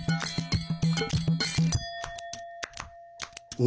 お！